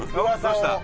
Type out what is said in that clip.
どうした？